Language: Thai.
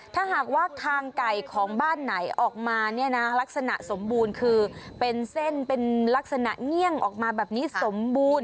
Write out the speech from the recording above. ถ้าหากว่าคางไก่ของบ้านไหนออกมาเนี่ยนะลักษณะสมบูรณ์คือเป็นเส้นเป็นลักษณะเงี่ยงออกมาแบบนี้สมบูรณ์